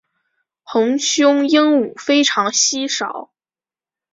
红胸鹦鹉非常稀少。